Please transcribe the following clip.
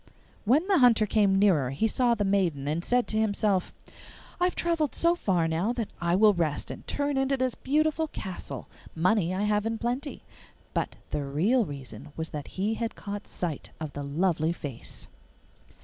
When the Hunter came nearer he saw the maiden, and said to himself, 'I have travelled so far now that I will rest, and turn into this beautiful castle; money I have in plenty.' But the real reason was that he had caught sight of the lovely face.